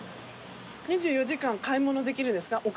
２４時間買い物できるんですか？